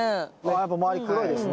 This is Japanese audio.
やっぱまわり黒いですね。